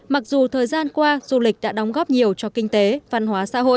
mặc dù thời gian qua du lịch đã đóng góp nhiều cho kinh tế văn hóa xã hội